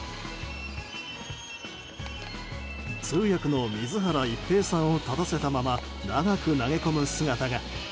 通訳の水原一平さんを立たせたまま長く投げ込む姿が。